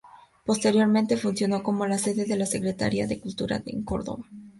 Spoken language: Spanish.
Posteriormente funcionó como la sede de la Secretaría de Cultura de Córdoba.